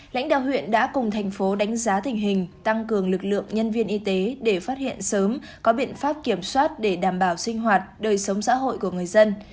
lãnh đạo huyện đã cùng thành phố đánh giá tình hình tăng cường lực lượng nhân viên y tế để phát hiện sớm có biện pháp kiểm soát để đảm bảo sinh hoạt đời sống xã hội của người dân